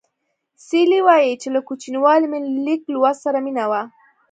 سیلۍ وايي چې له کوچنیوالي مې له لیک لوست سره مینه وه